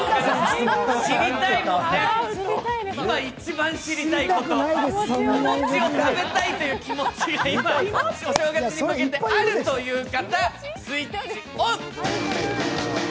今一番知りたいこと餅を食べたいという気持ち、お正月に向けてあるという方、スイッチオン！